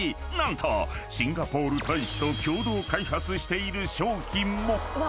何とシンガポール大使と共同開発している商品も］